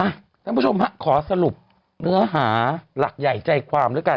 ท่านผู้ชมฮะขอสรุปเนื้อหาหลักใหญ่ใจความด้วยกัน